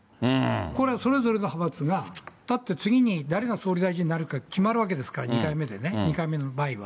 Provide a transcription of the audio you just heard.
これはそれぞれの派閥が、だって次に、誰が総理大臣になるか決まるわけですから、２回目でね、２回目の場合は。